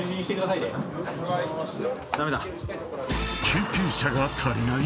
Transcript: ［救急車が足りない⁉］